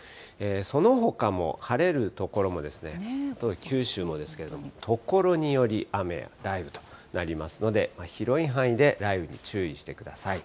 そのほかも晴れる所もですね、九州もですけれども、所により雨や雷雨となりますので、広い範囲で雷雨に注意してください。